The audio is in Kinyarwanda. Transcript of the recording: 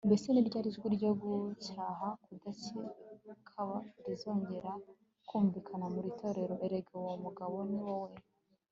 Mbese ni ryari ijwi ryo gucyaha kudakebakeba rizongera kumvikana mu itorero Erega uwo mugabo ni wowe